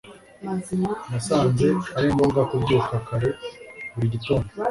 nasanze ari ngombwa kubyuka kare buri gitondo